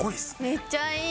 めっちゃいい。